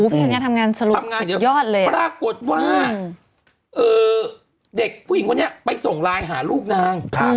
ธัญญาทำงานสุดยอดเลยปรากฏว่าเด็กผู้หญิงคนนี้ไปส่งไลน์หาลูกนาง